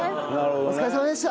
「お疲れさまでした！」